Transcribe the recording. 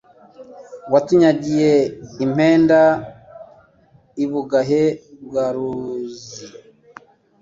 Watunyagiye impenda I Bugahe bwa Muruzi*